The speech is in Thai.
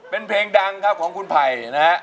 เป็นเพลงดังครับของคุณไผ่นะฮะ